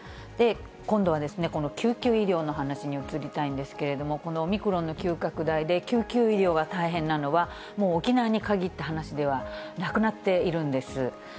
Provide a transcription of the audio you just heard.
今度はこの救急医療の話に移りたいんですけれども、このオミクロンの急拡大で、救急医療は大変なのは、もう沖縄に限った話ではなくなっているんです。